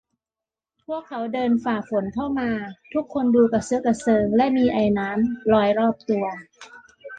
พวกเขาเดินฝ่าฝนเข้ามา ทุกคนดูกระเซอะกระเซิงและมีไอน้ำลอยรอบตัว